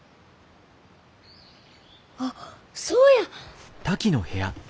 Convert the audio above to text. あっそうや！